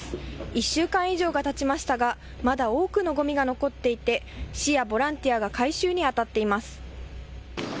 １週間以上がたちましたがまだ多くのごみが残っていて市やボランティアが回収にあたっています。